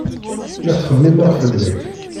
La ttxemmimeɣ fell-ak.